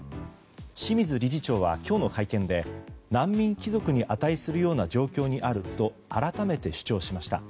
清水理事長は今日の会見で難民貴族に値するような状況にあると改めて主張しました。